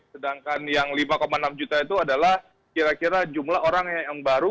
sedangkan yang lima enam juta itu adalah kira kira jumlah orang yang baru